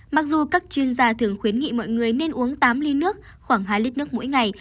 mặc dù các chuyên gia thường khuyến nghị mọi người nên uống tám ly nước khoảng hai lít nước mỗi ngày